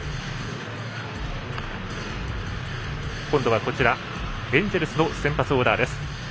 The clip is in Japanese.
今度は、エンジェルスの先発オーダーです。